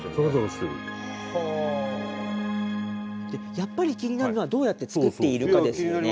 やっぱり気になるのはどうやって作っているかですよね。